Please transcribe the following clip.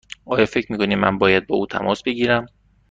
آیا فکر می کنی من باید با او تماس بگیرم؟